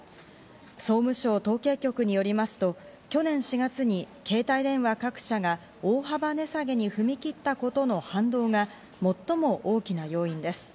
総務省統計局によりますと、去年４月に携帯電話各社が大幅値下げに踏み切ったことの反動が最も大きな要因です。